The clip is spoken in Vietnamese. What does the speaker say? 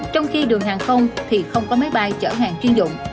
trong khi đường hàng không thì không có máy bay chở hàng chuyên dụng